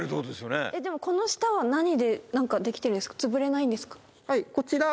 でもこの下は何でできてるんですか？